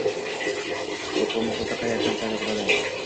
Qo‘rquv muhiti qayerdan paydo bo‘ladi?